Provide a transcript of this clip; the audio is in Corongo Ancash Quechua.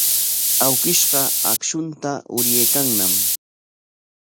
Awkishqa akshunta uryaykanñam.